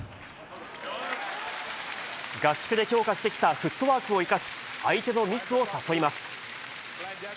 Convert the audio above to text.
合宿で強化してきたフットワークを生かし、相手のミスを誘います。